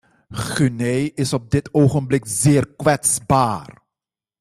Guinee is op dit ogenblik zeer kwetsbaar.